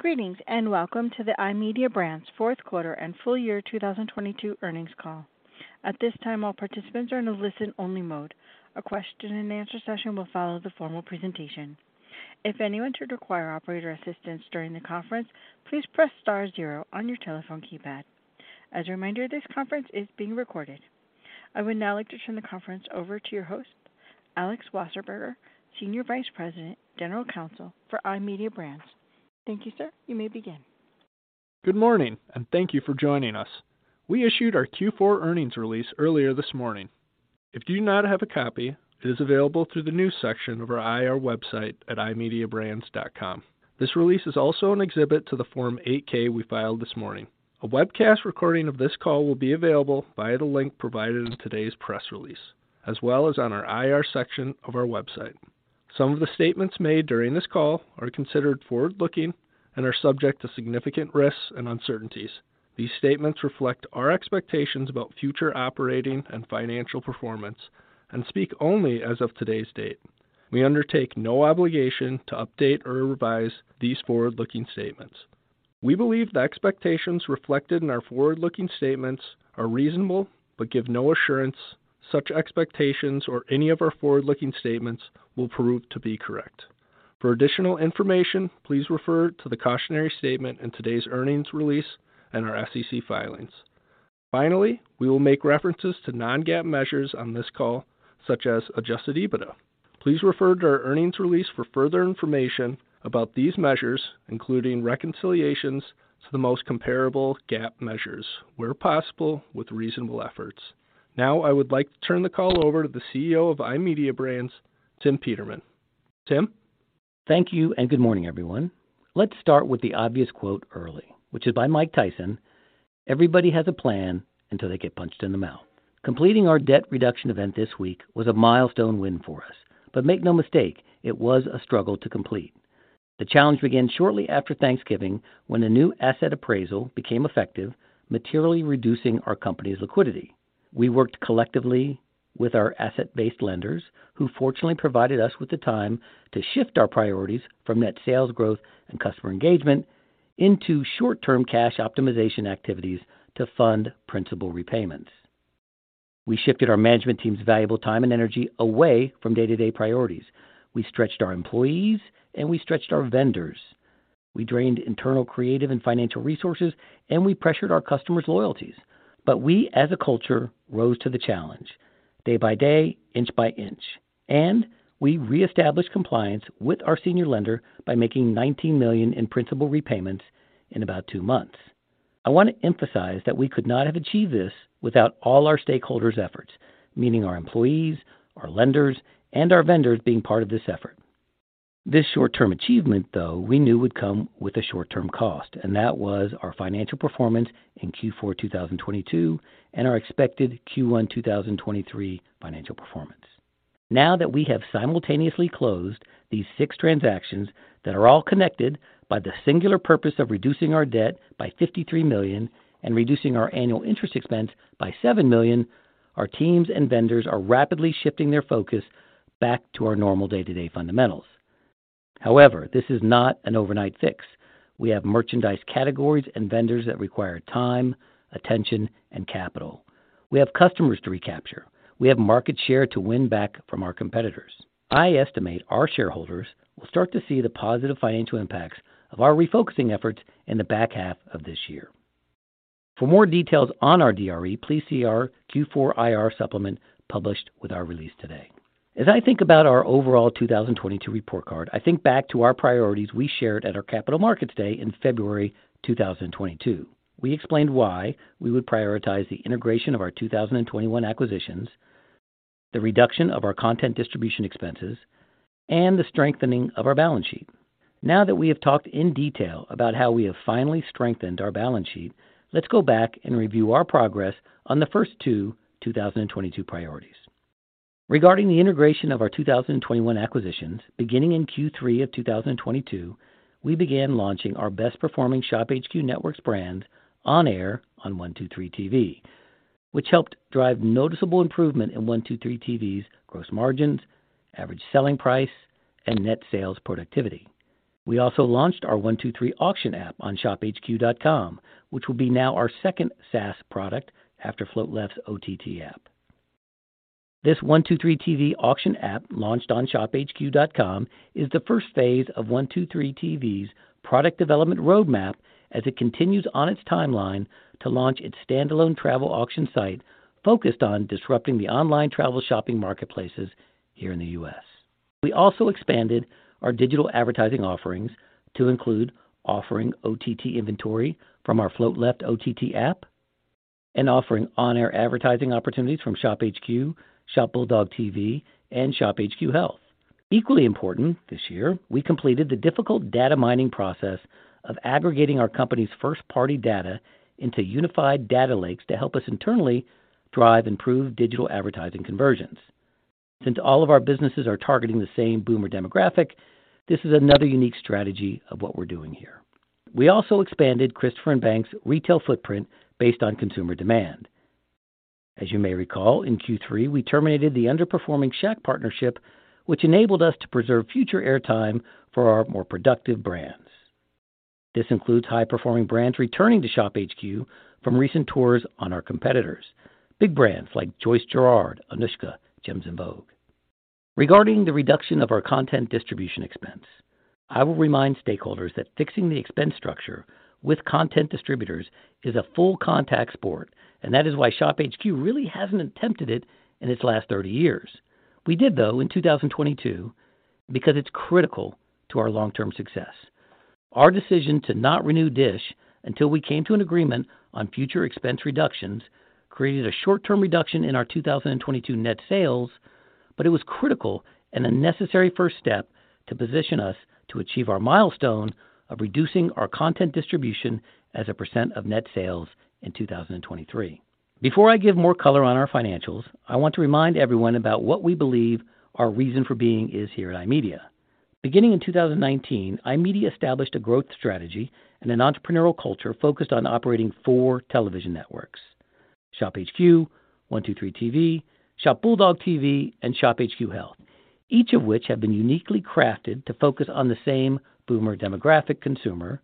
Greetings, and welcome to the iMedia Brands fourth quarter and full year 2022 earnings call. At this time, all participants are in a listen-only mode. A question-and-answer session will follow the formal presentation. If anyone should require operator assistance during the conference, please press star zero on your telephone keypad. As a reminder, this conference is being recorded. I would now like to turn the conference over to your host, Alex Wasserburger, Senior Vice President, General Counsel for iMedia Brands. Thank you, sir. You may begin. Good morning, thank you for joining us. We issued our Q4 earnings release earlier this morning. If you do not have a copy, it is available through the news section of our IR website at imediabrands.com. This release is also an exhibit to the Form 8-K we filed this morning. A webcast recording of this call will be available via the link provided in today's press release, as well as on our IR section of our website. Some of the statements made during this call are considered forward-looking and are subject to significant risks and uncertainties. These statements reflect our expectations about future operating and financial performance and speak only as of today's date. We undertake no obligation to update or revise these forward-looking statements. We believe the expectations reflected in our forward-looking statements are reasonable, but give no assurance such expectations or any of our forward-looking statements will prove to be correct. For additional information, please refer to the cautionary statement in today's earnings release and our SEC filings. Finally, we will make references to non-GAAP measures on this call, such as adjusted EBITDA. Please refer to our earnings release for further information about these measures, including reconciliations to the most comparable GAAP measures, where possible, with reasonable efforts. Now, I would like to turn the call over to the CEO of iMedia Brands, Tim Peterman. Tim? Thank you. Good morning, everyone. Let's start with the obvious quote early, which is by Mike Tyson, "Everybody has a plan until they get punched in the mouth." Completing our Debt Reduction Event this week was a milestone win for us, but make no mistake, it was a struggle to complete. The challenge began shortly after Thanksgiving when the new asset appraisal became effective, materially reducing our company's liquidity. We worked collectively with our asset-based lenders, who fortunately provided us with the time to shift our priorities from net sales growth and customer engagement into short-term cash optimization activities to fund principal repayments. We shifted our management team's valuable time and energy away from day-to-day priorities. We stretched our employees, and we stretched our vendors. We drained internal creative and financial resources, and we pressured our customers' loyalties. We, as a culture, rose to the challenge day by day, inch by inch, and we reestablished compliance with our senior lender by making $19 million in principal repayments in about 2 months. I want to emphasize that we could not have achieved this without all our stakeholders' efforts, meaning our employees, our lenders, and our vendors being part of this effort. This short-term achievement, though, we knew would come with a short-term cost, and that was our financial performance in Q4 2022 and our expected Q1 2023 financial performance. Now that we have simultaneously closed these 6 transactions that are all connected by the singular purpose of reducing our debt by $53 million and reducing our annual interest expense by $7 million, our teams and vendors are rapidly shifting their focus back to our normal day-to-day fundamentals. This is not an overnight fix. We have merchandise categories and vendors that require time, attention, and capital. We have customers to recapture. We have market share to win back from our competitors. I estimate our shareholders will start to see the positive financial impacts of our refocusing efforts in the back half of this year. For more details on our DRE, please see our Q4 IR supplement published with our release today. I think about our overall 2022 report card, I think back to our priorities we shared at our Capital Markets Day in February 2022. We explained why we would prioritize the integration of our 2021 acquisitions, the reduction of our content distribution expenses, and the strengthening of our balance sheet. Now that we have talked in detail about how we have finally strengthened our balance sheet, let's go back and review our progress on the first 2 2022 priorities. Regarding the integration of our 2021 acquisitions, beginning in Q3 of 2022, we began launching our best performing ShopHQ Networks brand on air on 1-2-3.tv, which helped drive noticeable improvement in 1-2-3.tv's gross margins, average selling price, and net sales productivity. We also launched our 1-2-3 auction app on shophq.com, which will be now our second SaaS product after Float Left's OTT app. This 1-2-3.tv auction app launched on shophq.com is the first phase of 1-2-3.tv's product development roadmap as it continues on its timeline to launch its standalone travel auction site focused on disrupting the online travel shopping marketplaces here in the U.S. We also expanded our digital advertising offerings to include offering OTT inventory from our Float Left OTT app and offering on-air advertising opportunities from ShopHQ, ShopBulldogTV, and ShopHQ Health. Equally important, this year, we completed the difficult data mining process of aggregating our company's first-party data into unified data lakes to help us internally drive improved digital advertising conversions. Since all of our businesses are targeting the same boomer demographic, this is another unique strategy of what we're doing here. We also expanded Christopher & Banks' retail footprint based on consumer demand. As you may recall, in Q3, we terminated the underperforming Shaq partnership, which enabled us to preserve future airtime for our more productive brands. This includes high-performing brands returning to ShopHQ from recent tours on our competitors. Big brands like Joyce Giraud, Anuschka, Gems en Vogue. Regarding the reduction of our content distribution expense, I will remind stakeholders that fixing the expense structure with content distributors is a full contact sport, and that is why ShopHQ really hasn't attempted it in its last 30 years. We did, though, in 2022, because it's critical to our long-term success. Our decision to not renew DISH until we came to an agreement on future expense reductions created a short-term reduction in our 2022 net sales, it was critical and a necessary first step to position us to achieve our milestone of reducing our content distribution as a % of net sales in 2023. Before I give more color on our financials, I want to remind everyone about what we believe our reason for being is here at iMedia. Beginning in 2019, iMedia established a growth strategy and an entrepreneurial culture focused on operating four television networks, ShopHQ, 1-2-3.tv, ShopBulldogTV, and ShopHQ Health. Each of which have been uniquely crafted to focus on the same boomer demographic consumer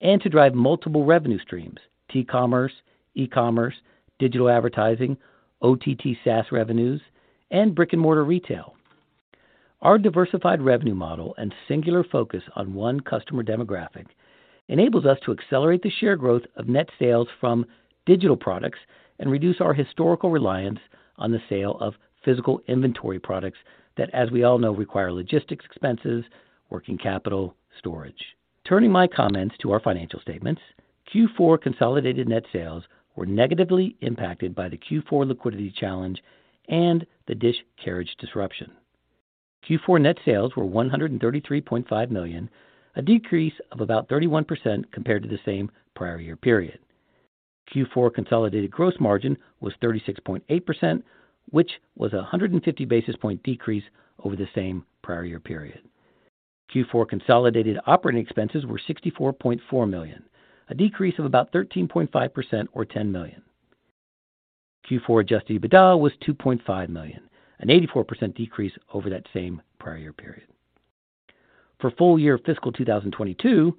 and to drive multiple revenue streams, T-commerce, e-commerce, digital advertising, OTT SaaS revenues, and brick-and-mortar retail. Our diversified revenue model and singular focus on one customer demographic enables us to accelerate the share growth of net sales from digital products and reduce our historical reliance on the sale of physical inventory products that, as we all know, require logistics expenses, working capital, storage. Turning my comments to our financial statements, Q4 consolidated net sales were negatively impacted by the Q4 liquidity challenge and the DISH carriage disruption. Q4 net sales were $133.5 million, a decrease of about 31% compared to the same prior year period. Q4 consolidated gross margin was 36.8%, which was 150 basis point decrease over the same prior year period. Q4 consolidated operating expenses were $64.4 million, a decrease of about 13.5% or $10 million. Q4 adjusted EBITDA was $2.5 million, an 84% decrease over that same prior year period. Full year fiscal 2022,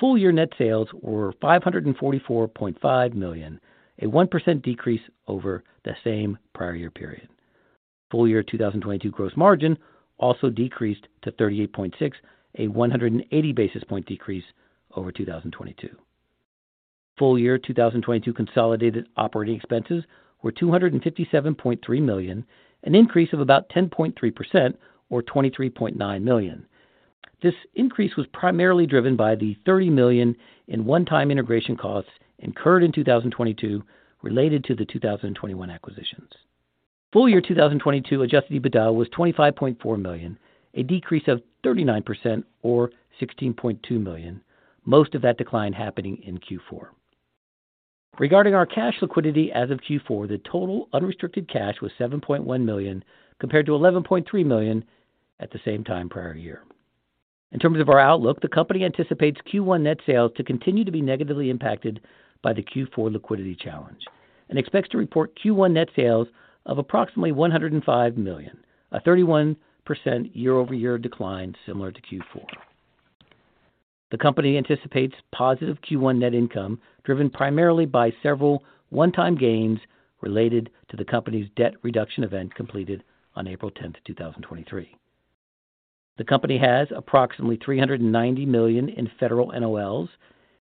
full year net sales were $544.5 million, a 1% decrease over the same prior year period. Full year 2022 gross margin also decreased to 38.6%, a 180 basis point decrease over 2022. Full year 2022 consolidated operating expenses were $257.3 million, an increase of about 10.3% or $23.9 million. This increase was primarily driven by the $30 million in one-time integration costs incurred in 2022 related to the 2021 acquisitions. Full year 2022 adjusted EBITDA was $25.4 million, a decrease of 39% or $16.2 million. Most of that decline happening in Q4. Regarding our cash liquidity as of Q4, the total unrestricted cash was $7.1 million compared to $11.3 million at the same time prior year. The company anticipates Q1 net sales to continue to be negatively impacted by the Q4 liquidity challenge and expects to report Q1 net sales of approximately $105 million, a 31% year-over-year decline similar to Q4. The company anticipates positive Q1 net income driven primarily by several one-time gains related to the company's Debt Reduction Event completed on April 10, 2023. The company has approximately $390 million in federal NOLs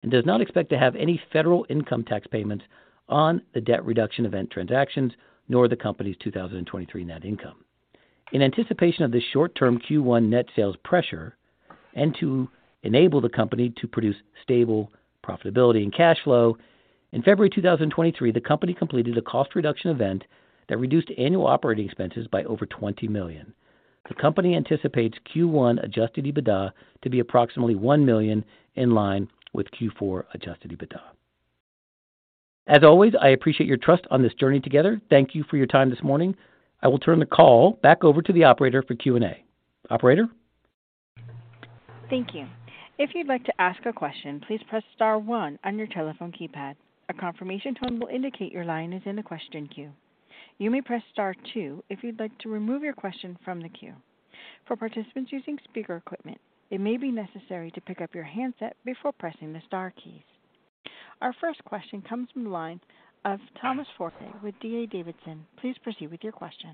and does not expect to have any federal income tax payments on the Debt Reduction Event transactions, nor the company's 2023 net income. In anticipation of this short-term Q1 net sales pressure and to enable the company to produce stable profitability and cash flow, in February 2023, the company completed a cost reduction event that reduced annual operating expenses by over $20 million. The company anticipates Q1 adjusted EBITDA to be approximately $1 million in line with Q4 adjusted EBITDA. As always, I appreciate your trust on this journey together. Thank you for your time this morning. I will turn the call back over to the operator for Q&A. Operator? Thank you. If you'd like to ask a question, please press star one on your telephone keypad. A confirmation tone will indicate your line is in the question queue. You may press star two if you'd like to remove your question from the queue. For participants using speaker equipment, it may be necessary to pick up your handset before pressing the star keys. Our first question comes from the line of Thomas Forte with D.A. Davidson. Please proceed with your question.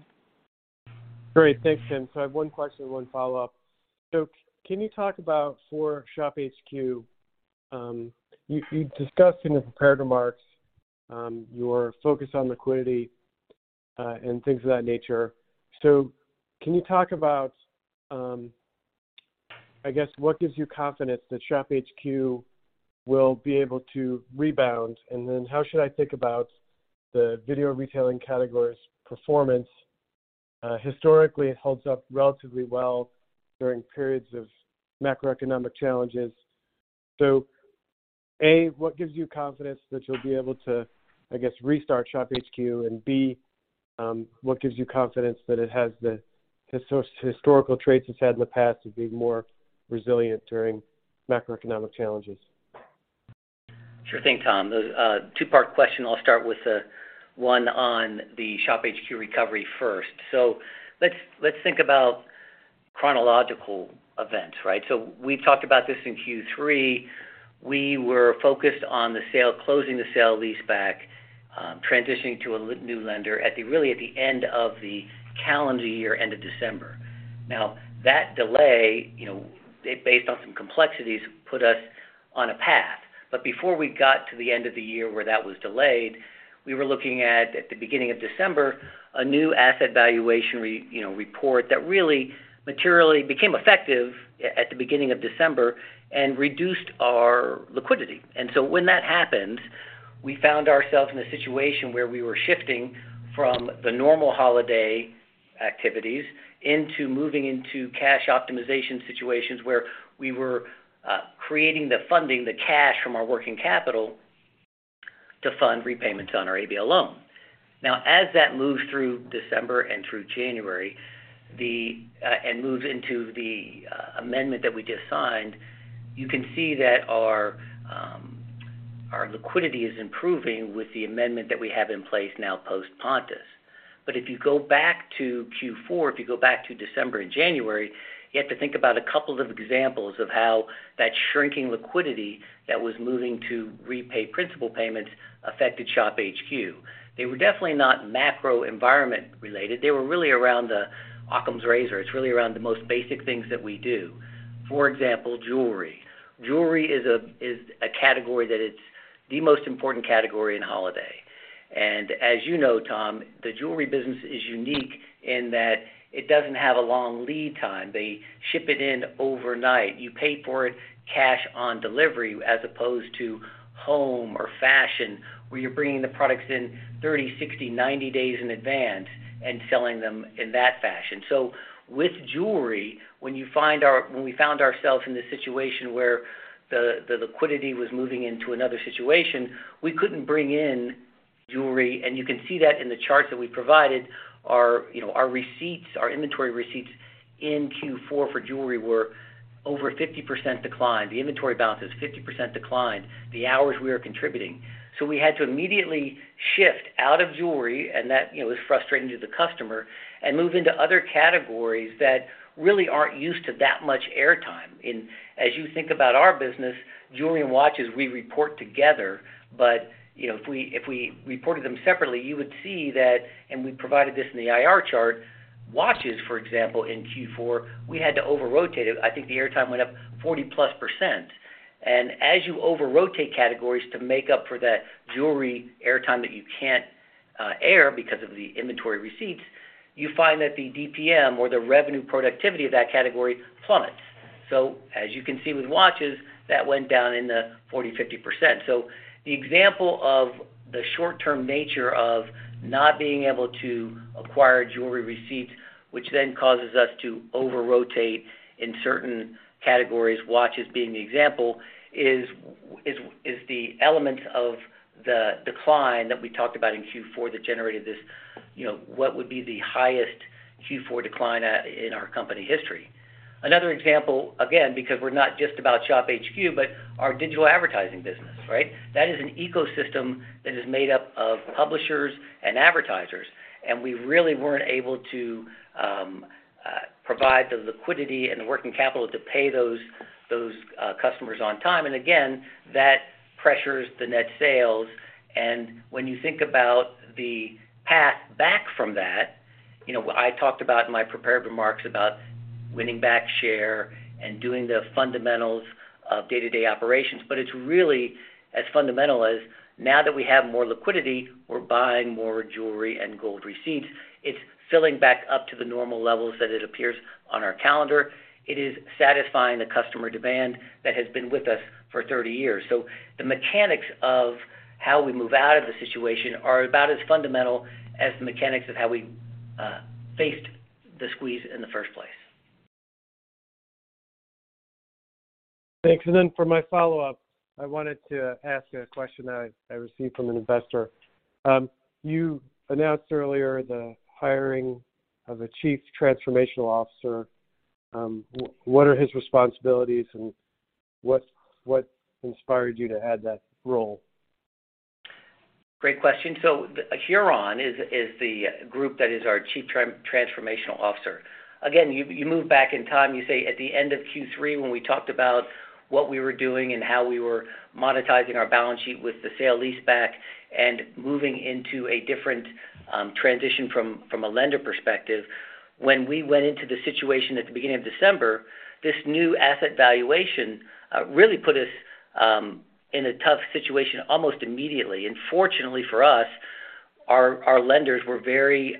Great. Thanks, Tim. I have one question, one follow-up. Can you talk about for ShopHQ, you discussed in the prepared remarks, your focus on liquidity, and things of that nature. Can you talk about, I guess, what gives you confidence that ShopHQ will be able to rebound? How should I think about the video retailing category's performance, historically holds up relatively well during periods of macroeconomic challenges? A, what gives you confidence that you'll be able to, I guess, restart ShopHQ? B, what gives you confidence that it has the historical traits it's had in the past to be more resilient during macroeconomic challenges? Sure thing, Tom. The two-part question, I'll start with the one on the ShopHQ recovery first. Let's think about chronological events, right? We talked about this in Q3. We were focused on closing the sale-leaseback, transitioning to a new lender at the end of the calendar year, end of December. That delay, you know, it based on some complexities, put us on a path. Before we got to the end of the year where that was delayed, we were looking at the beginning of December, a new asset valuation you know, report that materially became effective at the beginning of December and reduced our liquidity. When that happened, we found ourselves in a situation where we were shifting from the normal holiday activities into moving into cash optimization situations where we were creating the funding, the cash from our working capital to fund repayments on our ABL loan. As that moves through December and through January, the and moves into the amendment that we just signed, you can see that our liquidity is improving with the amendment that we have in place now post Pontus. If you go back to Q4, if you go back to December and January, you have to think about a couple of examples of how that shrinking liquidity that was moving to repay principal payments affected ShopHQ. They were definitely not macro environment related. They were really around the Occam's Razor. It's really around the most basic things that we do. For example, jewelry. Jewelry is a category that it's the most important category in holiday. As you know, Tom, the jewelry business is unique in that it doesn't have a long lead time. They ship it in overnight. You pay for it cash on delivery as opposed to home or fashion, where you're bringing the products in 30, 60, 90 days in advance and selling them in that fashion. With jewelry, when we found ourselves in the situation where the liquidity was moving into another situation, we couldn't bring in jewelry, and you can see that in the charts that we provided. Our, you know, our receipts, our inventory receipts in Q4 for jewelry were over 50% decline. The inventory balances, 50% decline, the hours we are contributing. We had to immediately shift out of jewelry, and that, you know, was frustrating to the customer, and move into other categories that really aren't used to that much air time in. As you think about our business, jewelry and watches we report together. You know, if we reported them separately, you would see that, and we provided this in the IR chart, watches, for example, in Q4, we had to over-rotate it. I think the air time went up 40%+. As you over-rotate categories to make up for that jewelry air time that you can't air because of the inventory receipts, you find that the DPM or the revenue productivity of that category plummets. As you can see with watches, that went down in the 40%, 50%. The example of the short-term nature of not being able to acquire jewelry receipts, which then causes us to over-rotate in certain categories, watches being the example, is the element of the decline that we talked about in Q4 that generated this, you know, what would be the highest Q4 decline in our company history. Another example, again, because we're not just about ShopHQ, but our digital advertising business, right? That is an ecosystem that is made up of publishers and advertisers, and we really weren't able to provide the liquidity and the working capital to pay those customers on time. Again, that pressures the net sales. When you think about the path back from that, you know, I talked about in my prepared remarks about winning back share and doing the fundamentals of day-to-day operations. It's really as fundamental as now that we have more liquidity, we're buying more jewelry and gold receipts. It's filling back up to the normal levels that it appears on our calendar. It is satisfying the customer demand that has been with us for 30 years. The mechanics of how we move out of the situation are about as fundamental as the mechanics of how we faced the squeeze in the first place. Thanks. Then for my follow-up, I wanted to ask a question I received from an investor. You announced earlier the hiring of a chief transformational officer. What are his responsibilities and what inspired you to add that role? Great question. Huron is the group that is our chief transformational officer. Again, you move back in time, you say at the end of Q3 when we talked about what we were doing and how we were monetizing our balance sheet with the sale-leaseback and moving into a different transition from a lender perspective. When we went into the situation at the beginning of December, this new asset valuation really put us in a tough situation almost immediately. Fortunately for us, our lenders were very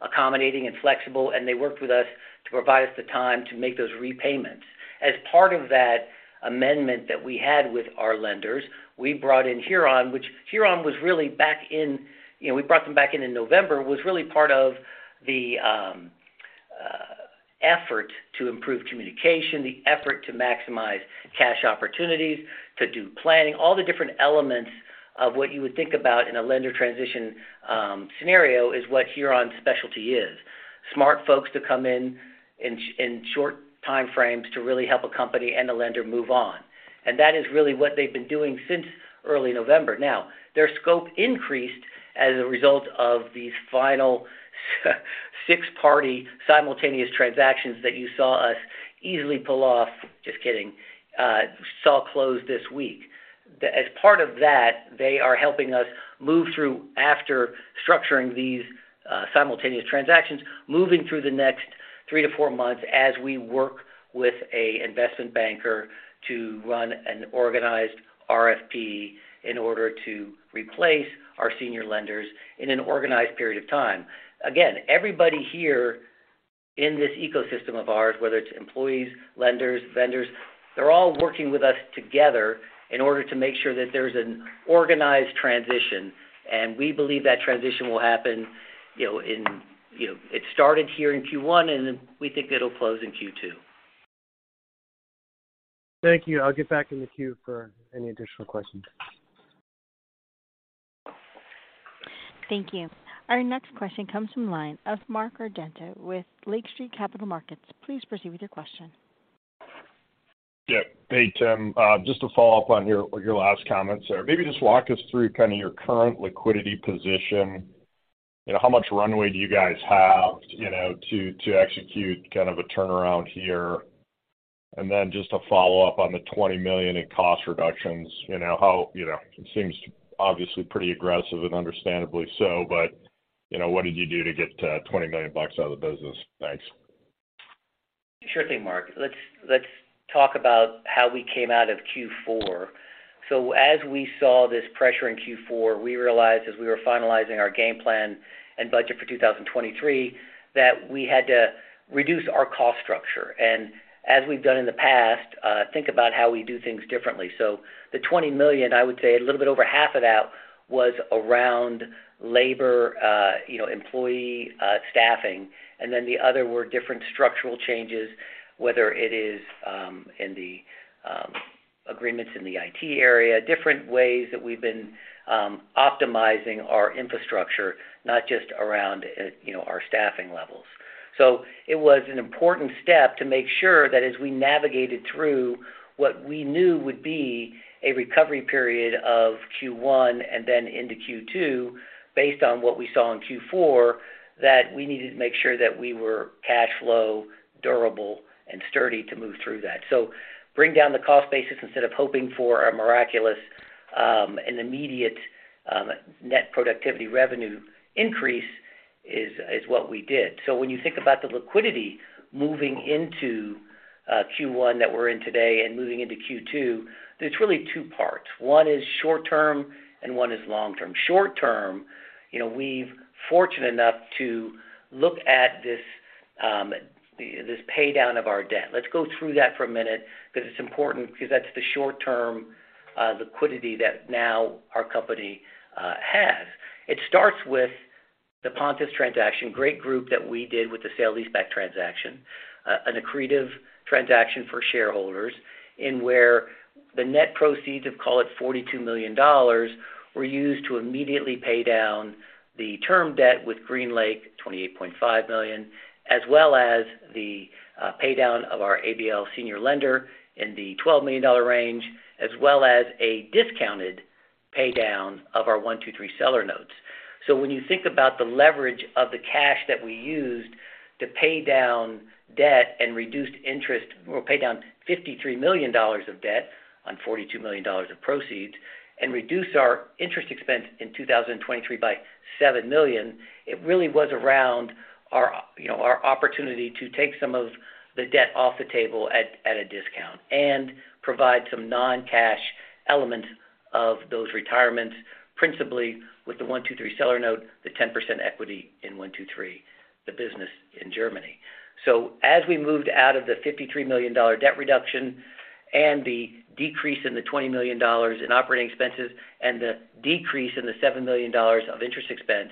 accommodating and flexible, and they worked with us to provide us the time to make those repayments. As part of that amendment that we had with our lenders, we brought in Huron, which Huron was really back in. You know, we brought them back in November, was really part of the effort to improve communication, the effort to maximize cash opportunities, to do planning. All the different elements of what you would think about in a lender transition scenario is what Huron's specialty is. Smart folks to come in short time frames to really help a company and a lender move on. That is really what they've been doing since early November. Their scope increased as a result of these final six-party simultaneous transactions that you saw us easily pull off. Just kidding. saw close this week. As part of that, they are helping us move through after structuring these simultaneous transactions, moving through the next three to four months as we work with a investment banker to run an organized RFP in order to replace our senior lenders in an organized period of time. Again, everybody here in this ecosystem of ours, whether it's employees, lenders, vendors, they're all working with us together in order to make sure that there's an organized transition, and we believe that transition will happen, you know. You know, it started here in Q1, and then we think it'll close in Q2. Thank you. I'll get back in the queue for any additional questions. Thank you. Our next question comes from line of Mark Argento with Lake Street Capital Markets. Please proceed with your question. Hey, Tim. Just to follow up on your last comments there. Maybe just walk us through kind of your current liquidity position. You know, how much runway do you guys have, you know, to execute kind of a turnaround here? Then just to follow up on the $20 million in cost reductions. You know, how, you know, it seems obviously pretty aggressive, and understandably so, but, you know, what did you do to get $20 million out of the business? Thanks. Sure thing, Mark. Let's talk about how we came out of Q4. As we saw this pressure in Q4, we realized as we were finalizing our game plan and budget for 2023, that we had to reduce our cost structure. As we've done in the past, think about how we do things differently. The $20 million, I would say a little bit over half of that was around labor, you know, employee staffing. Then the other were different structural changes, whether it is in the agreements in the IT area, different ways that we've been optimizing our infrastructure, not just around, you know, our staffing levels. It was an important step to make sure that as we navigated through what we knew would be a recovery period of Q1 and then into Q2 based on what we saw in Q4, that we needed to make sure that we were cash flow durable and sturdy to move through that. Bring down the cost basis instead of hoping for a miraculous and immediate net productivity revenue increase is what we did. When you think about the liquidity moving into Q1 that we're in today and moving into Q2, there's really two parts. One is short-term and one is long-term. Short-term, you know, we've fortunate enough to look at this paydown of our debt. Let's go through that for a minute because it's important because that's the short-term liquidity that now our company has. It starts with the Pontus transaction, great group that we did with the sale-leaseback transaction, an accretive transaction for shareholders in where the net proceeds of, call it $42 million, were used to immediately pay down the term debt with Great American, $28.5 million, as well as the paydown of our ABL senior lender in the $12 million range, as well as a discounted paydown of our 1-2-3 seller notes. When you think about the leverage of the cash that we used to pay down debt and reduced interest or pay down $53 million of debt on $42 million of proceeds and reduce our interest expense in 2023 by $7 million, it really was around our, you know, our opportunity to take some of the debt off the table at a discount and provide some non-cash element of those retirements, principally with the 1-2-3.tv seller note, the 10% equity in 1-2-3.tv, the business in Germany. As we moved out of the $53 million debt reduction and the decrease in the $20 million in operating expenses and the decrease in the $7 million of interest expense,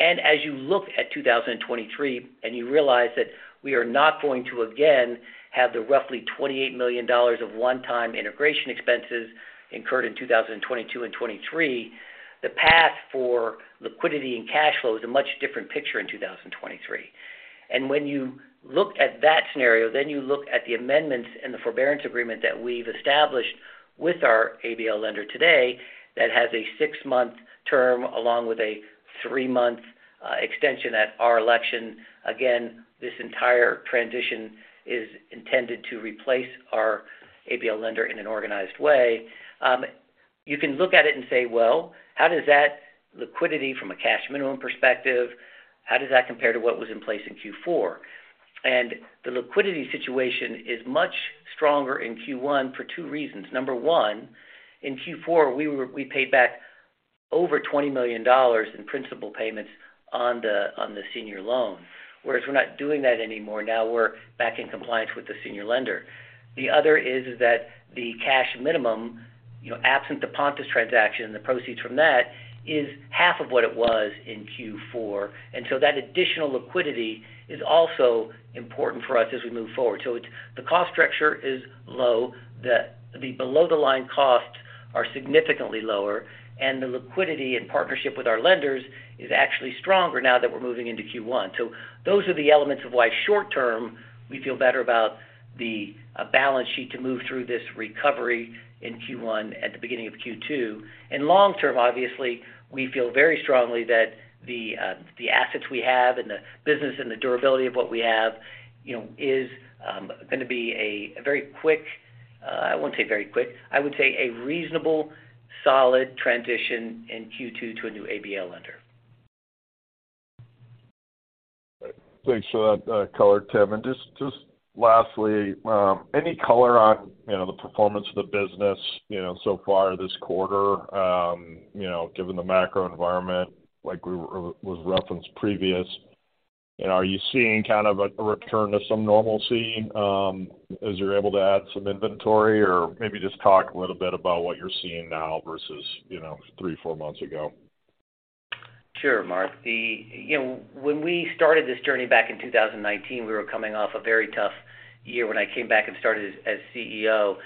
as you look at 2023 and you realize that we are not going to again have the roughly $28 million of one-time integration expenses incurred in 2022 and 2023, the path for liquidity and cash flow is a much different picture in 2023. When you look at that scenario, you look at the amendments and the forbearance agreement that we've established with our ABL lender today that has a 6-month term along with a 3-month extension at our election. Again, this entire transition is intended to replace our ABL lender in an organized way. You can look at it and say, "Well, how does that liquidity from a cash minimum perspective, how does that compare to what was in place in Q4?" The liquidity situation is much stronger in Q1 for two reasons. Number one, in Q4, we paid back over $20 million in principal payments on the senior loan, whereas we're not doing that anymore. Now we're back in compliance with the senior lender. The other is that the cash minimum, you know, absent the Pontus transaction, the proceeds from that is half of what it was in Q4. That additional liquidity is also important for us as we move forward. It's the cost structure is low. The below the line costs are significantly lower, and the liquidity and partnership with our lenders is actually stronger now that we're moving into Q1. Those are the elements of why short term, we feel better about the balance sheet to move through this recovery in Q1 at the beginning of Q2. Long term, obviously, we feel very strongly that the assets we have and the business and the durability of what we have, you know, is gonna be a very quick, I won't say very quick, I would say a reasonable, solid transition in Q2 to a new ABL lender. Thanks for that, color, Tim. Just lastly, any color on, you know, the performance of the business, you know, so far this quarter, you know, given the macro environment like was referenced previous. You know, are you seeing kind of a return to some normalcy, as you're able to add some inventory? Maybe just talk a little bit about what you're seeing now versus, you know, 3, 4 months ago. Sure, Mark. You know, when we started this journey back in 2019, we were coming off a very tough year when I came back and started as CEO.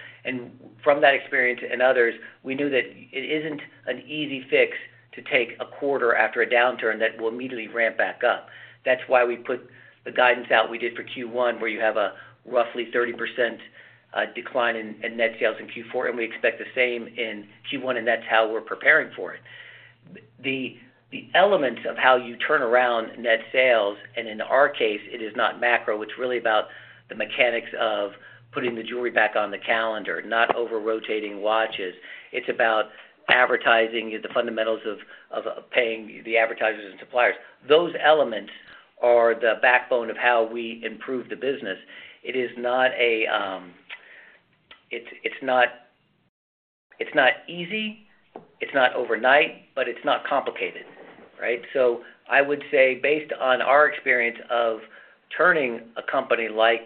From that experience and others, we knew that it isn't an easy fix to take a quarter after a downturn that will immediately ramp back up. That's why we put the guidance out we did for Q1, where you have a roughly 30% decline in net sales in Q4, and we expect the same in Q1, and that's how we're preparing for it. The elements of how you turn around net sales, and in our case, it is not macro, it's really about the mechanics of putting the jewelry back on the calendar, not over-rotating watches. It's about advertising, the fundamentals of paying the advertisers and suppliers. Those elements are the backbone of how we improve the business. It is not easy, it's not overnight, but it's not complicated, right? I would say based on our experience of turning a company like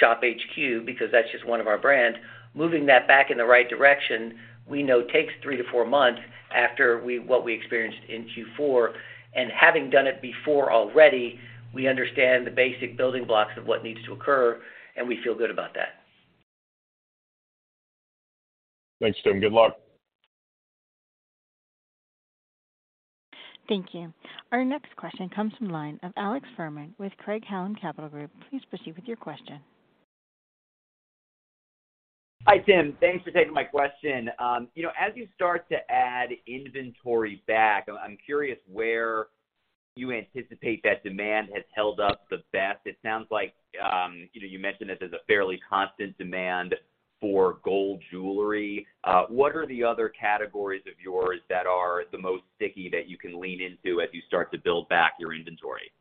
ShopHQ, because that's just one of our brands, moving that back in the right direction, we know takes 3-4 months after what we experienced in Q4. Having done it before already, we understand the basic building blocks of what needs to occur, and we feel good about that. Thanks, Tim. Good luck. Thank you. Our next question comes from line of Alex Fuhrman with Craig-Hallum Capital Group. Please proceed with your question. Hi, Tim. Thanks for taking my question. You know, as you start to add inventory back, I'm curious where you anticipate that demand has held up the best. It sounds like, you know, you mentioned that there's a fairly constant demand for gold jewelry. What are the other categories of yours that are the most sticky that you can lean into as you start to build back your inventory?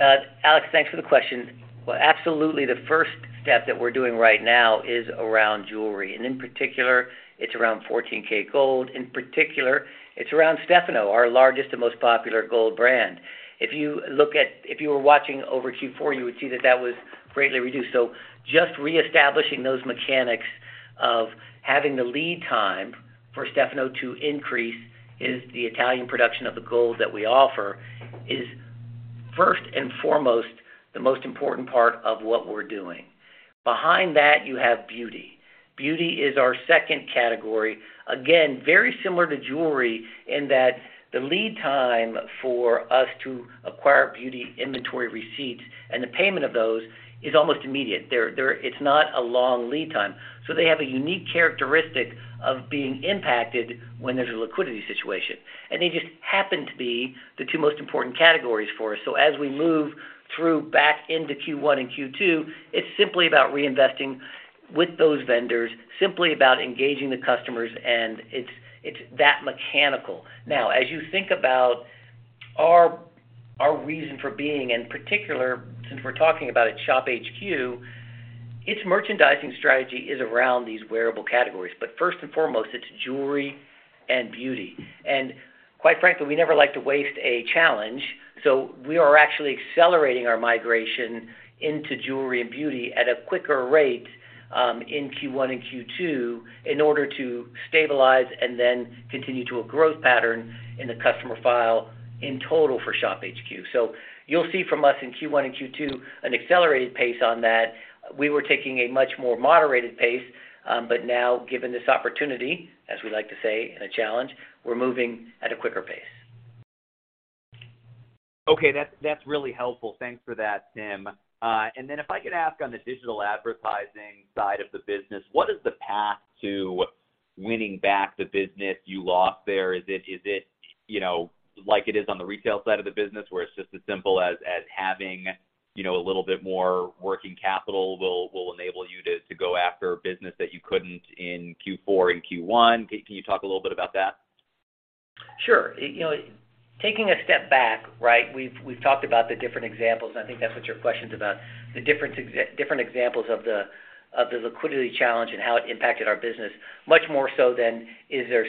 Alex, thanks for the question. Well, absolutely the first step that we're doing right now is around jewelry, and in particular it's around 14K gold. In particular, it's around Stefano Oro, our largest and most popular gold brand. If you were watching over Q4, you would see that that was greatly reduced. Just reestablishing those mechanics of having the lead time for Stefano Oro to increase is the Italian production of the gold that we offer is first and foremost the most important part of what we're doing. Behind that, you have beauty. Beauty is our second category. Very similar to jewelry in that the lead time for us to acquire beauty inventory receipts and the payment of those is almost immediate. There, it's not a long lead time. They have a unique characteristic of being impacted when there's a liquidity situation. They just happen to be the two most important categories for us. As we move through back into Q1 and Q2, it's simply about reinvesting with those vendors, simply about engaging the customers, and it's that mechanical. As you think about our reason for being, in particular, since we're talking about at ShopHQ, its merchandising strategy is around these wearable categories. First and foremost, it's jewelry and beauty. Quite frankly, we never like to waste a challenge, so we are actually accelerating our migration into jewelry and beauty at a quicker rate in Q1 and Q2 in order to stabilize and then continue to a growth pattern in the customer file in total for ShopHQ. You'll see from us in Q1 and Q2 an accelerated pace on that. We were taking a much more moderated pace, but now given this opportunity, as we like to say, and a challenge, we're moving at a quicker pace. Okay. That's really helpful. Thanks for that, Tim. Then if I could ask on the digital advertising side of the business, what is the path to winning back the business you lost there? Is it, you know, like it is on the retail side of the business, where it's just as simple as having, you know, a little bit more working capital will enable you to go after business that you couldn't in Q4 and Q1? Can you talk a little bit about that? Sure. You know, taking a step back, right? We've talked about the different examples, and I think that's what your question's about, the different examples of the liquidity challenge and how it impacted our business, much more so than is there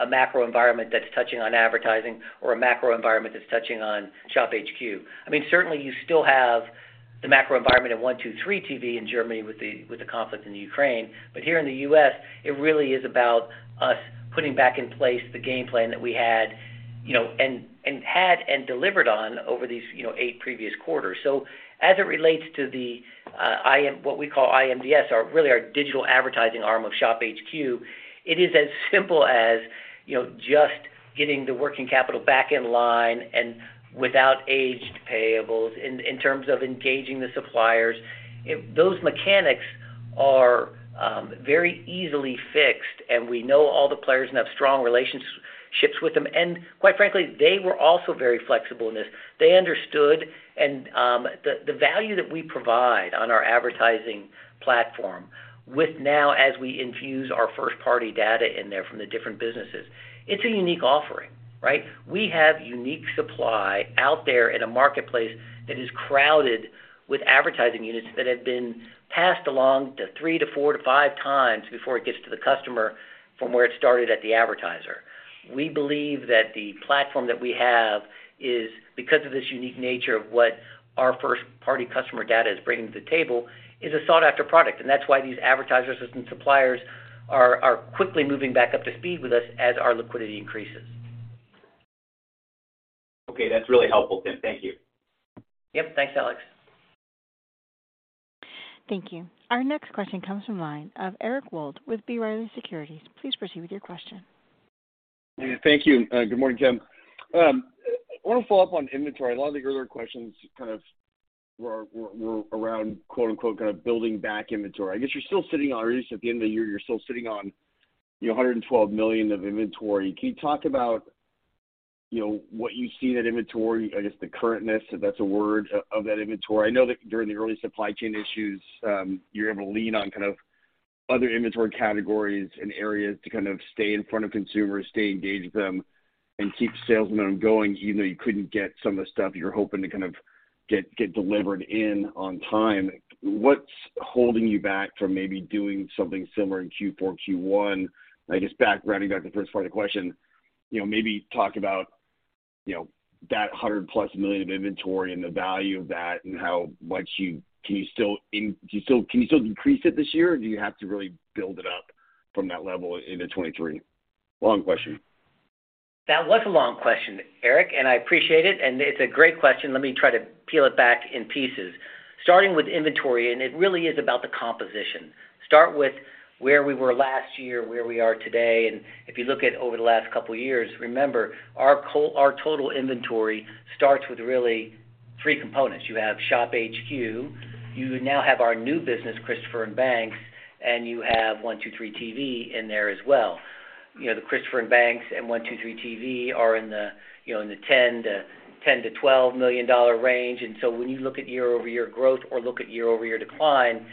a macro environment that's touching on advertising or a macro environment that's touching on ShopHQ? I mean, certainly you still have the macro environment of 1-2-3.tv in Germany with the conflict in Ukraine. Here in the U.S., it really is about us putting back in place the game plan that we had. You know, and had and delivered on over these, you know, eight previous quarters. As it relates to what we call iMDS, our really our digital advertising arm of ShopHQ, it is as simple as, you know, just getting the working capital back in line and without aged payables in terms of engaging the suppliers. Those mechanics are very easily fixed, and we know all the players and have strong relationships with them. Quite frankly, they were also very flexible in this. They understood the value that we provide on our advertising platform with now as we infuse our first-party data in there from the different businesses, it's a unique offering, right? We have unique supply out there in a marketplace that is crowded with advertising units that have been passed along to 3 to 4 to 5 times before it gets to the customer from where it started at the advertiser. We believe that the platform that we have is because of this unique nature of what our first-party customer data is bringing to the table is a sought-after product. That's why these advertisers and suppliers are quickly moving back up to speed with us as our liquidity increases. Okay. That's really helpful, Tim. Thank you. Yep. Thanks, Alex. Thank you. Our next question comes from line of Eric Wold with B. Riley Securities. Please proceed with your question. Thank you. Good morning, Tim. I want to follow up on inventory. A lot of the earlier questions kind of were around quote-unquote, kind of building back inventory. I guess you're still sitting on, or at least at the end of the year, you're still sitting on, you know, $112 million of inventory. Can you talk about, you know, what you see that inventory, I guess the current-ness, if that's a word, of that inventory? I know that during the early supply chain issues, you're able to lean on kind of other inventory categories and areas to kind of stay in front of consumers, stay engaged with them, and keep the sales going even though you couldn't get some of the stuff you were hoping to kind of get delivered in on time. What's holding you back from maybe doing something similar in Q4, Q1? I guess backgrounding back the first part of the question, you know, maybe talk about, you know, that $100+ million of inventory and the value of that and how much you... Can you still decrease it this year, or do you have to really build it up from that level into 2023? Long question. That was a long question, Eric, and I appreciate it. It's a great question. Let me try to peel it back in pieces. Starting with inventory, and it really is about the composition. Start with where we were last year, where we are today, and if you look at over the last couple of years, remember, our total inventory starts with really three components. You have ShopHQ, you now have our new business, Christopher & Banks, and you have 1-2-3.tv in there as well. You know, the Christopher & Banks and 1-2-3.tv are in the, you know, in the $10 million-$12 million range. When you look at year-over-year growth or look at year-over-year decline,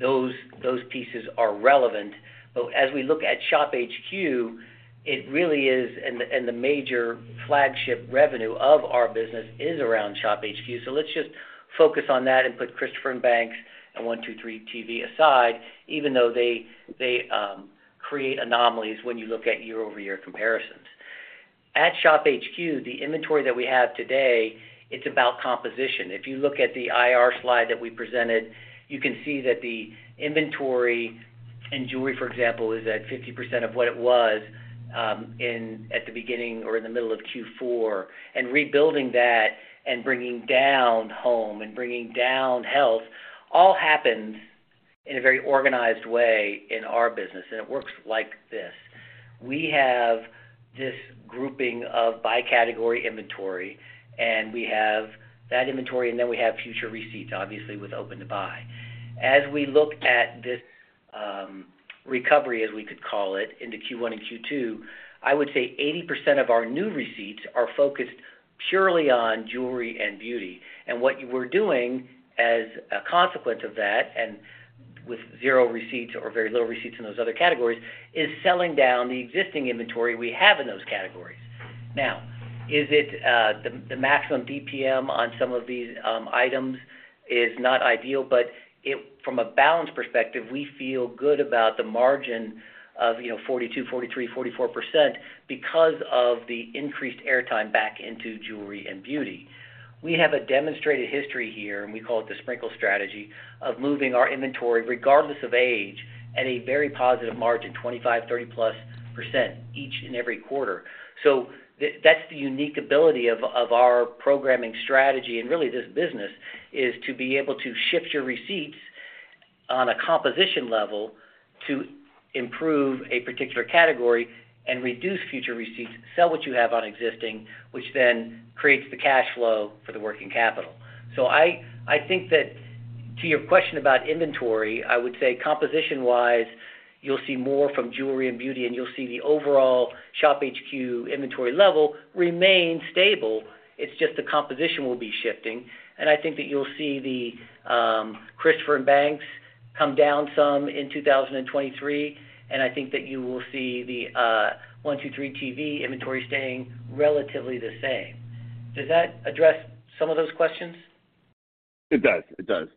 those pieces are relevant. As we look at ShopHQ, it really is and the major flagship revenue of our business is around ShopHQ. Let's just focus on that and put Christopher & Banks and 1-2-3.tv aside, even though they create anomalies when you look at year-over-year comparisons. At ShopHQ, the inventory that we have today, it's about composition. If you look at the IR slide that we presented, you can see that the inventory in jewelry, for example, is at 50% of what it was at the beginning or in the middle of Q4. Rebuilding that and bringing down home and bringing down health all happens in a very organized way in our business, and it works like this. We have this grouping of by category inventory, and we have that inventory, and then we have future receipts, obviously, with open to buy. As we look at this recovery, as we could call it, into Q1 and Q2, I would say 80% of our new receipts are focused purely on jewelry and beauty. What you were doing as a consequence of that, and with 0 receipts or very low receipts in those other categories, is selling down the existing inventory we have in those categories. Now, is it the maximum DPM on some of these items is not ideal, but from a balance perspective, we feel good about the margin of, you know, 42%, 43%, 44% because of the increased airtime back into jewelry and beauty. We have a demonstrated history here, and we call it the sprinkle strategy of moving our inventory regardless of age at a very positive margin, 25%, 30 plus percent each and every quarter. That's the unique ability of our programming strategy. Really this business is to be able to shift your receipts on a composition level to improve a particular category and reduce future receipts, sell what you have on existing, which then creates the cash flow for the working capital. I think that to your question about inventory, I would say composition-wise, you'll see more from jewelry and beauty, and you'll see the overall ShopHQ inventory level remain stable. It's just the composition will be shifting. I think that you'll see the Christopher & Banks come down some in 2023, I think that you will see the 1-2-3.tv inventory staying relatively the same. Does that address some of those questions? It does. It does.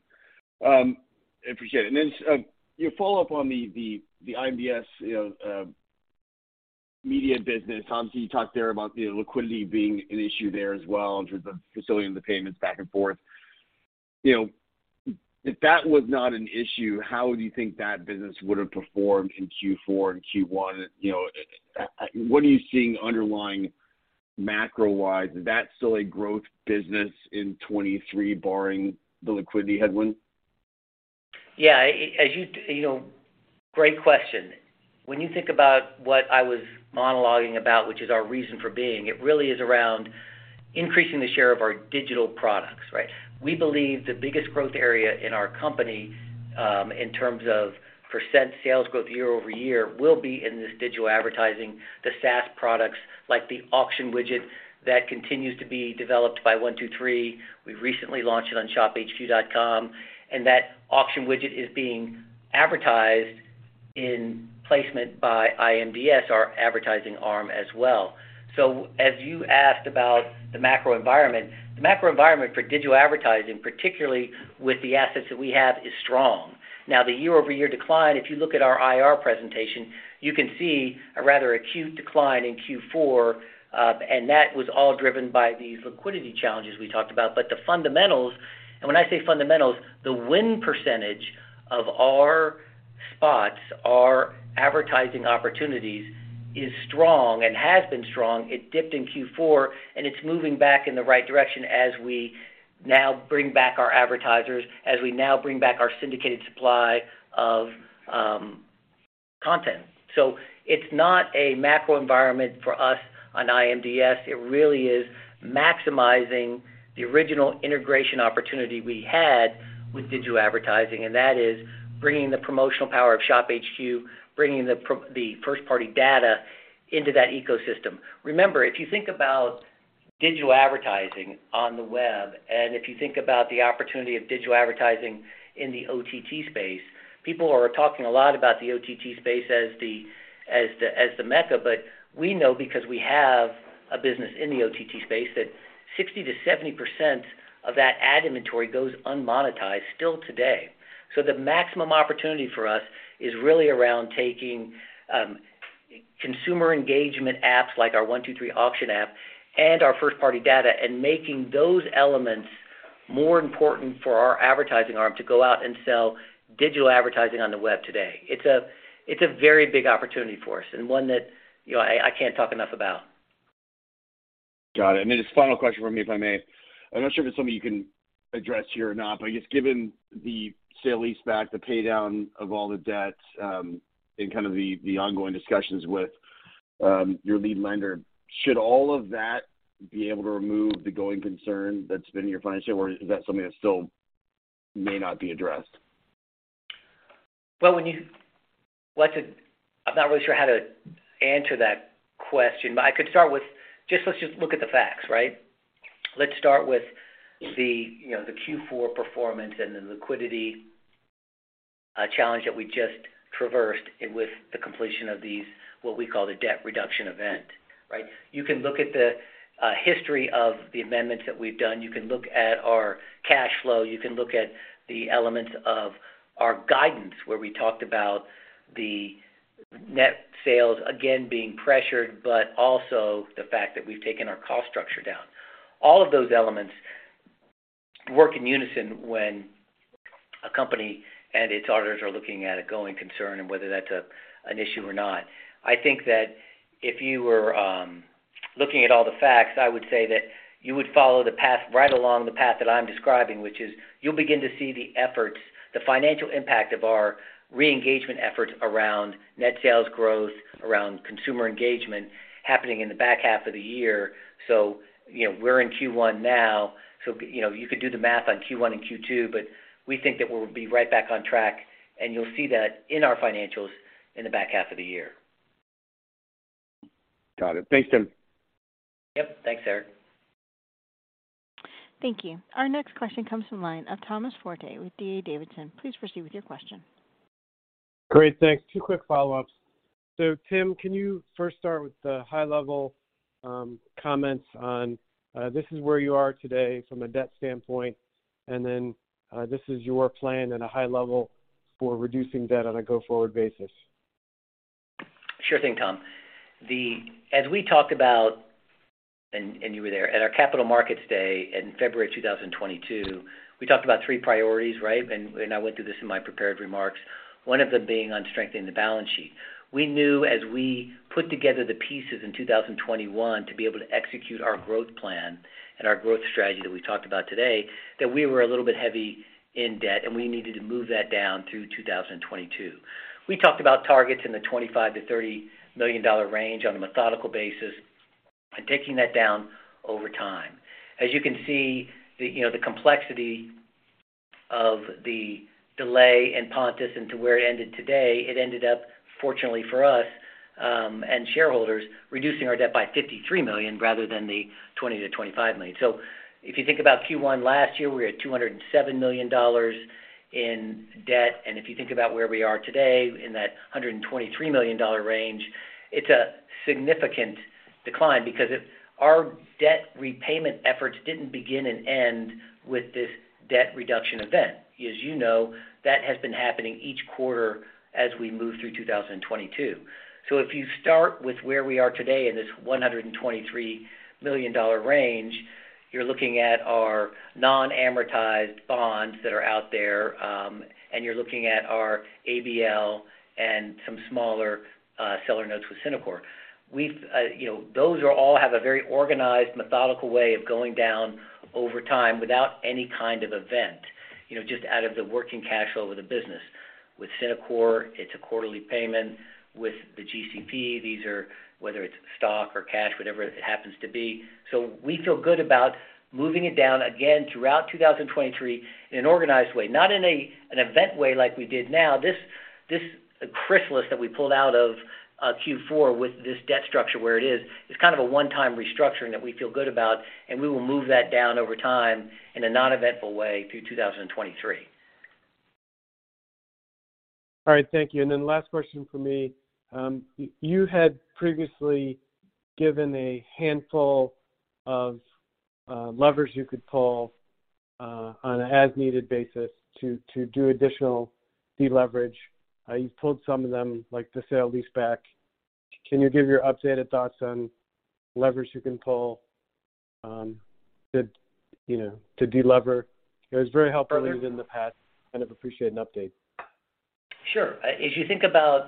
appreciate it. Then, your follow-up on the iMDS, you know, media business. Obviously, you talked there about the liquidity being an issue there as well in terms of facilitating the payments back and forth. You know, if that was not an issue, how do you think that business would have performed in Q4 and Q1? You know, what are you seeing underlying macro-wise? Is that still a growth business in 23 barring the liquidity headwind? Yeah, as you know, great question. When you think about what I was monologuing about, which is our reason for being, it really is around increasing the share of our digital products, right? We believe the biggest growth area in our company, in terms of % sales growth year-over-year will be in this digital advertising, the SaaS products like the auction widget that continues to be developed by 1-2-3.tv. We recently launched it on shophq.com, and that auction widget is being advertised in placement by iMDS, our advertising arm as well. As you asked about the macro environment, the macro environment for digital advertising, particularly with the assets that we have, is strong. The year-over-year decline, if you look at our IR presentation, you can see a rather acute decline in Q4, and that was all driven by these liquidity challenges we talked about. The fundamentals, and when I say fundamentals, the win percentage of our spots, our advertising opportunities is strong and has been strong. It dipped in Q4, and it's moving back in the right direction as we now bring back our advertisers, as we now bring back our syndicated supply of content. It's not a macro environment for us on iMDS. It really is maximizing the original integration opportunity we had with digital advertising, and that is bringing the promotional power of ShopHQ, bringing the first-party data into that ecosystem. Remember, if you think about digital advertising on the web, and if you think about the opportunity of digital advertising in the OTT space, people are talking a lot about the OTT space as the mecca, but we know because we have a business in the OTT space, that 60% to 70% of that ad inventory goes unmonetized still today. The maximum opportunity for us is really around taking consumer engagement apps like our one two three auction app and our first-party data and making those elements more important for our advertising arm to go out and sell digital advertising on the web today. It's a very big opportunity for us and one that, you know, I can't talk enough about. Got it. Then just final question for me, if I may. I'm not sure if it's something you can address here or not, but I guess given the sale-leaseback, the pay down of all the debts, and kind of the ongoing discussions with your lead lender, should all of that be able to remove the going concern that's been in your financial, or is that something that still may not be addressed? Well, I said I'm not really sure how to answer that question. I could start with just let's just look at the facts, right? Let's start with the, you know, the Q4 performance and the liquidity challenge that we just traversed with the completion of these what we call the Debt Reduction Event, right? You can look at the history of the amendments that we've done. You can look at our cash flow. You can look at the elements of our guidance, where we talked about the net sales again being pressured, but also the fact that we've taken our cost structure down. All of those elements work in unison when a company and its auditors are looking at a going concern and whether that's an issue or not. I think that if you were looking at all the facts, I would say that you would follow the path right along the path that I'm describing, which is you'll begin to see the efforts, the financial impact of our re-engagement efforts around net sales growth, around consumer engagement happening in the back half of the year. You know, we're in Q1 now, so, you know, you could do the math on Q1 and Q2, but we think that we'll be right back on track, and you'll see that in our financials in the back half of the year. Got it. Thanks, Tim. Yep. Thanks, Eric. Thank you. Our next question comes from line of Thomas Forte with D.A. Davidson. Please proceed with your question. Great. Thanks. 2 quick follow-ups. Tim, can you first start with the high-level comments on this is where you are today from a debt standpoint, and then this is your plan at a high level for reducing debt on a go-forward basis. Sure thing, Tom. As we talked about, and you were there at our Capital Markets Day in February 2022, we talked about 3 priorities, right? I went through this in my prepared remarks. One of them being on strengthening the balance sheet. We knew as we put together the pieces in 2021 to be able to execute our growth plan and our growth strategy that we talked about today, that we were a little bit heavy in debt, and we needed to move that down through 2022. We talked about targets in the $25 million-$30 million range on a methodical basis and taking that down over time. As you can see, the, you know, the complexity of the delay in Pontus and to where it ended today, it ended up, fortunately for us, and shareholders, reducing our debt by $53 million rather than the $20 million-$25 million. If you think about Q1 last year, we were at $207 million in debt, and if you think about where we are today in that $123 million range, it's a significant decline because if our debt repayment efforts didn't begin and end with this Debt Reduction Event. As you know, that has been happening each quarter as we move through 2022. If you start with where we are today in this $123 million range, you're looking at our non-amortized bonds that are out there, and you're looking at our ABL and some smaller seller notes with Raven. We've, you know, those are all have a very organized, methodical way of going down over time without any kind of event, you know, just out of the working cash flow of the business. With Synacor, it's a quarterly payment. With the GCP, these are whether it's stock or cash, whatever it happens to be. We feel good about moving it down again throughout 2023 in an organized way, not in an event way like we did now. This chrysalis that we pulled out of Q4 with this debt structure where it is kind of a one-time restructuring that we feel good about, and we will move that down over time in a non-eventful way through 2023. All right. Thank you. Last question from me. You had previously given a handful of levers you could pull on an as-needed basis to do additional deleverage. You pulled some of them, like the sale-leaseback. Can you give your updated thoughts on levers you can pull, you know, to de-lever? It was very helpful in the past, kind of appreciate an update. Sure. As you think about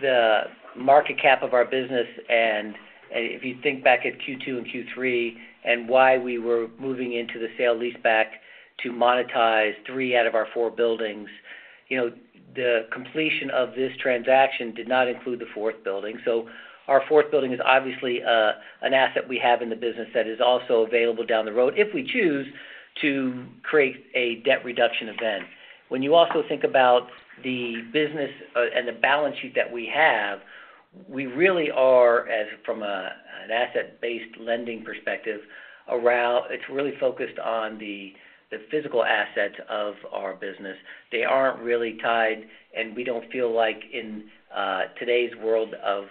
the market cap of our business and if you think back at Q2 and Q3 and why we were moving into the sale-leaseback to monetize three out of our four buildings, you know, the completion of this transaction did not include the fourth building. Our fourth building is obviously an asset we have in the business that is also available down the road if we choose to create a Debt Reduction Event. When you also think about the business and the balance sheet that we have, we really are as from an asset-based lending perspective, it's really focused on the physical assets of our business. They aren't really tied, and we don't feel like in today's world of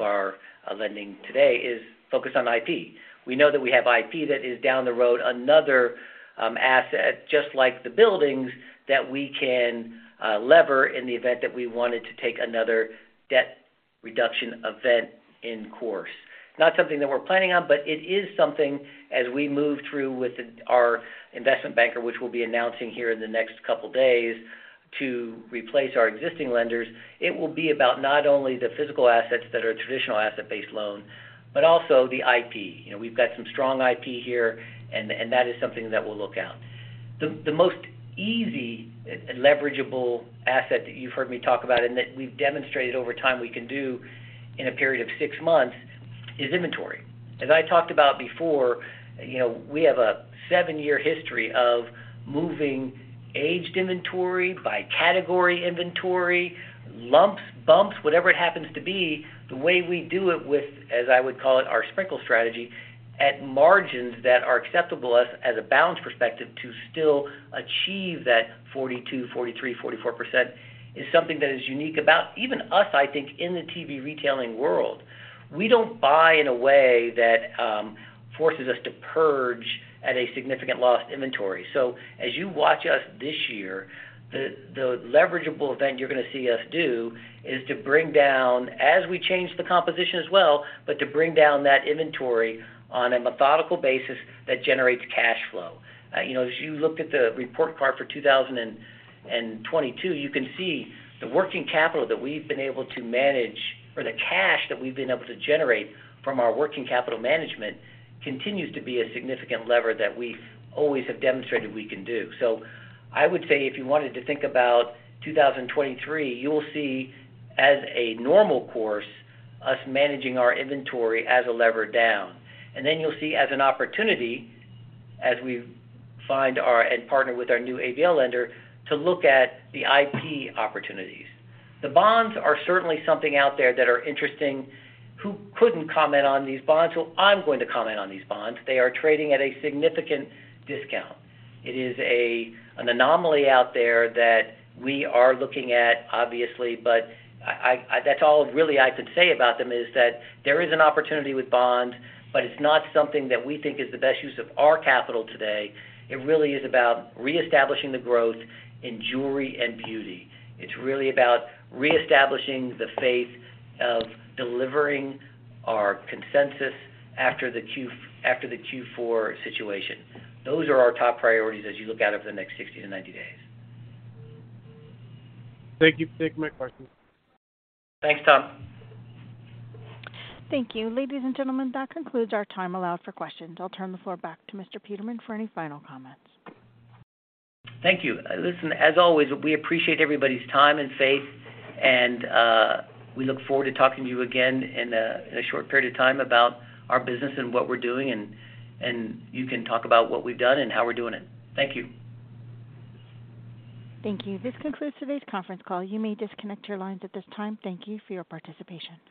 our lending today is focused on IP. We know that we have IP that is down the road, another asset, just like the buildings, that we can lever in the event that we wanted to take another Debt Reduction Event in course. Not something that we're planning on, but it is something as we move through with our investment banker, which we'll be announcing here in the next couple days to replace our existing lenders, it will be about not only the physical assets that are traditional asset-based loan, but also the IP. You know, we've got some strong IP here, and that is something that we'll look at. The most easy and leverageable asset that you've heard me talk about and that we've demonstrated over time we can do in a period of six months is inventory. As I talked about before, you know, we have a seven-year history of moving aged inventory by category inventory, lumps, bumps, whatever it happens to be, the way we do it with, as I would call it, our sprinkle strategy, at margins that are acceptable as a balance perspective to still achieve that 42%, 43%, 44% is something that is unique about even us, I think, in the TV retailing world. We don't buy in a way that forces us to purge at a significant loss inventory. As you watch us this year, the leverageable event you're gonna see us do is to bring down as we change the composition as well, but to bring down that inventory on a methodical basis that generates cash flow. You know, as you looked at the report card for 2022, you can see the working capital that we've been able to manage, or the cash that we've been able to generate from our working capital management continues to be a significant lever that we always have demonstrated we can do. I would say if you wanted to think about 2023, you'll see as a normal course, us managing our inventory as a lever down. You'll see as an opportunity as we find and partner with our new ABL lender to look at the IP opportunities. The bonds are certainly something out there that are interesting. Who couldn't comment on these bonds? Well, I'm going to comment on these bonds. They are trading at a significant discount. It is an anomaly out there that we are looking at obviously, that's all really I could say about them is that there is an opportunity with bond, but it's not something that we think is the best use of our capital today. It really is about reestablishing the growth in jewelry and beauty. It's really about reestablishing the faith of delivering our consensus after the Q4 situation. Those are our top priorities as you look out over the next 60 to 90 days. Thank you. That's my questions. Thanks, Tom. Thank you. Ladies and gentlemen, that concludes our time allowed for questions. I'll turn the floor back to Mr. Peterman for any final comments. Thank you. Listen, as always, we appreciate everybody's time and faith, and we look forward to talking to you again in a short period of time about our business and what we're doing, and you can talk about what we've done and how we're doing it. Thank you. Thank you. This concludes today's conference call. You may disconnect your lines at this time. Thank you for your participation.